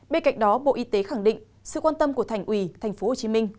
bên cạnh đó bộ y tế khẳng định sự quan tâm của thành ủy tp hcm